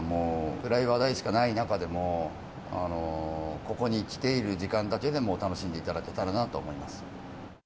暗い話題しかない中でも、ここに来ている時間だけでも楽しんでいただけたらなと思います。